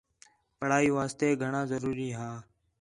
پڑھائی واسطے گھݨاں ضروری ہا